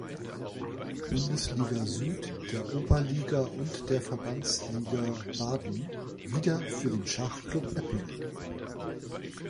Bundesliga Süd, der Oberliga und der Verbandsliga Baden wieder für den "Schachclub Eppingen".